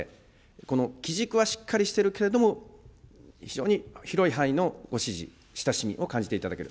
この基軸はしっかりしているけれども、非常に広い範囲のご支持、親しみを感じていただける。